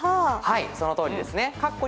そのとおりですね。